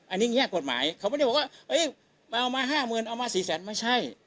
อันนี้แง่กฎหมายเขาไม่ได้บอกว่าเฮ้ยเอามาห้าหมื่นเอามาสี่แสนไม่ใช่